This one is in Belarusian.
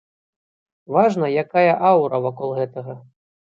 Важна, якая аўра вакол гэтага.